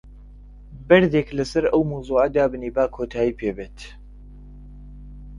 بەردێک لەسەر ئەو مەوزوعە دابنێ، با کۆتایی پێ بێت.